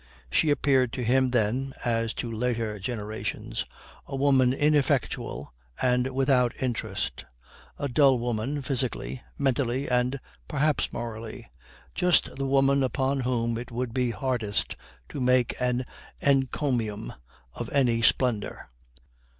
She appeared to him then, as to later generations, a woman ineffectual and without interest; a dull woman physically, mentally, and perhaps morally; just the woman upon whom it would be hardest to make an encomium of any splendour.